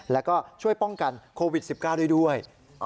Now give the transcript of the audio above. แล้วก็ช่วยป้องกันโควิด๑๙ได้ด้วย